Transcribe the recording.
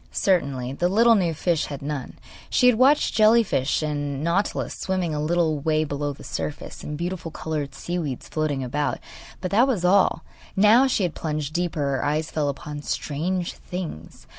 Certainly the little new fish had none. She had watched jelly fish and nautilus swimming a little way below the surface, and beautiful coloured sea weeds floating about; but that was all. Now, when she plunged deeper her eyes fell upon strange things.